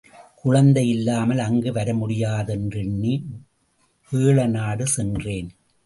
குழந்தை இல்லாமல் அங்கு வர முடியாதென்று எண்ணி, வேழநாடு சென்றேன்.